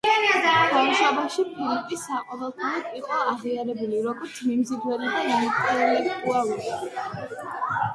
ბავშვობაში ფილიპი საყოველთაოდ იყო აღიარებული როგორც მიმზიდველი და ინტელექტუალური.